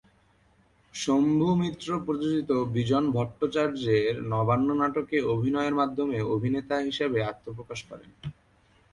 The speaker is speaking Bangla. শম্ভু মিত্র প্রযোজিত বিজন ভট্টাচার্যের "নবান্ন" নাটকে অভিনয়ের মাধ্যমে অভিনেতা হিসেবে আত্মপ্রকাশ করেন।